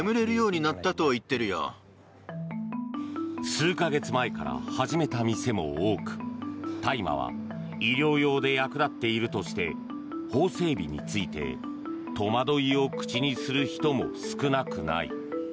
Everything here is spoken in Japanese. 数か月前から始めた店も多く大麻は医療用で役立っているとして法整備について戸惑いを口にする人も少なくない。